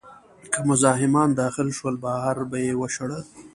که مزاحمان داخل شول، بهر به یې وشړل.